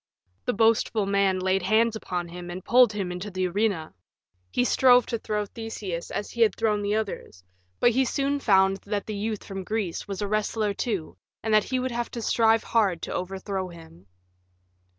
The boastful man laid hands upon him and pulled him into the arena. He strove to throw Theseus as he had thrown the others; but he soon found that the youth from Greece was a wrestler, too, and that he would have to strive hard to overthrow him.